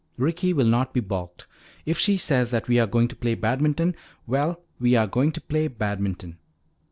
Ricky will not be balked. If she says that we are going to play badminton well, we are going to play badminton."